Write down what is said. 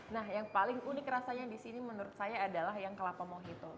nah yang paling unik rasanya disini menurut saya adalah yang kelapa mojito